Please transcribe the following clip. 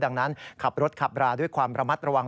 ดังนั้นขับรถขับราด้วยความระมัดระวัง